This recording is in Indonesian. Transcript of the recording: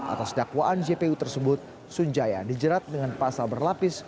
atas dakwaan jpu tersebut sunjaya dijerat dengan pasal berlapis